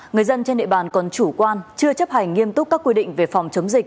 người dân trên địa bàn còn chủ quan chưa chấp hành nghiêm túc các quy định về phòng chống dịch